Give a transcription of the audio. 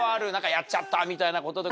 やっちゃったみたいなこととか。